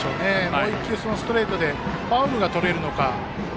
もう１球、ストレートでファウルがとれるのか。